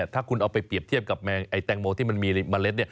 ถ้าคุณเอาไปเปรียบเทียบกับแมงแตงโมที่มันมีเมล็ด